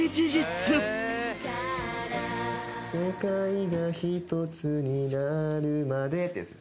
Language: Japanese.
「世界がひとつになるまで」ってやつですね。